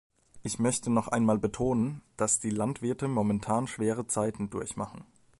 Ich möchte noch einmal betonen, dass die Landwirte momentan schwere Zeiten durchmachen.